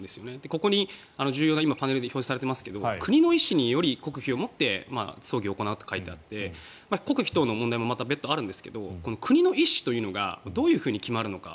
ここに重要な今、パネルに表示されていますが国の意思により国費をもって葬儀を行うと書いてあって国費等の問題も別途あるんですが国の意思というのがどういうふうに決まるのか。